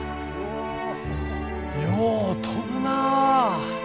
よう飛ぶなぁ。